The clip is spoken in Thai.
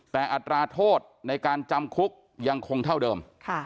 แต่อัตราโทษในการจำคุกยังคงเท่าเดิม